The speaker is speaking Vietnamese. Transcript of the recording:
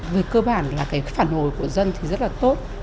về cơ bản là cái phản hồi của dân thì rất là tốt